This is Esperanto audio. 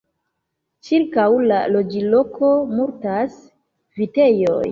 Ĉirkaŭ la loĝloko multas vitejoj.